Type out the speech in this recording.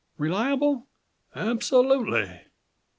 "Reliable?" "Absolutely."